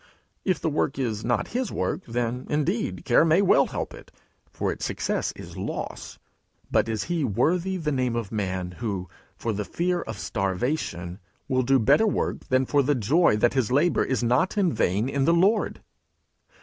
If the work is not his work, then, indeed, care may well help it, for its success is loss. But is he worthy the name of man who, for the fear of starvation, will do better work than for the joy that his labour is not in vain in the Lord?